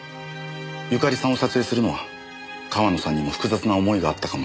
由香利さんを撮影するのは川野さんにも複雑な思いがあったかもしれません。